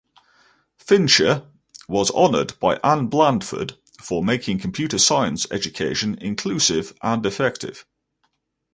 Fincher was honoured by Ann Blandford for ‘making computer science education inclusive and effective’.